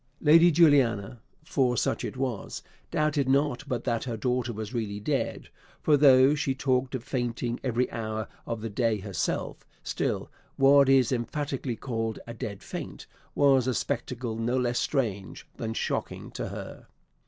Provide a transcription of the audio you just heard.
Lady Juliana, for such it was, doubted not but that her daughter was really dead; for though he talked of fainting every hour of the day herself, still what is emphatically called a dead faint was a spectacle no less strange than shocking to her.